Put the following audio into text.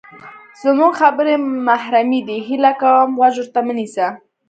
زمونږ خبرې محرمې دي، هیله کوم غوږ ورته مه نیسه!